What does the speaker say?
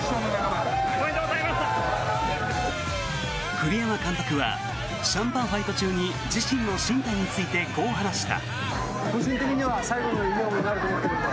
栗山監督はシャンパンファイト中に自身の進退についてこう話した。